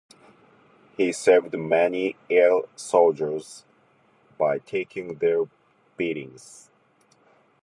He saved many ill soldiers by taking their beatings.